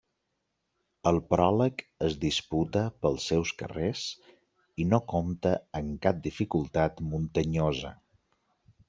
El pròleg es disputa pels seus carrers i no compta amb cap dificultat muntanyosa.